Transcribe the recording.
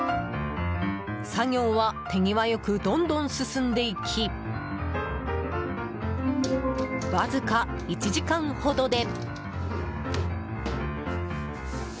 作業は手際よくどんどん進んでいきわずか１時間ほどで。